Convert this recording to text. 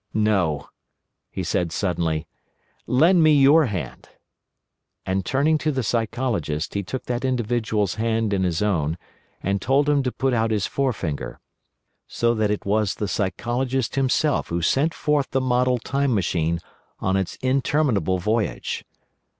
"No," he said suddenly. "Lend me your hand." And turning to the Psychologist, he took that individual's hand in his own and told him to put out his forefinger. So that it was the Psychologist himself who sent forth the model Time Machine on its interminable voyage.